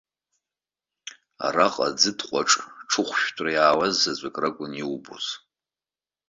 Араҟа аӡытҟәаҿ ҽыхәшәтәра иаауаз заҵәык ракәын иубоз.